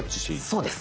そうです。